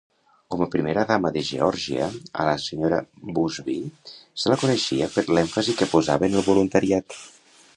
Com a primera dama de Geòrgia, a la Sra. Busbee se la coneixia per l'èmfasi que posava en el voluntariat.